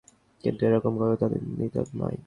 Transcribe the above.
কিন্তু এ রকম করা তাদের নীতি নয়।